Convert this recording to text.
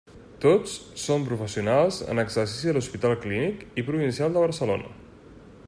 Tots són professionals en exercici a l'Hospital Clínic i Provincial de Barcelona.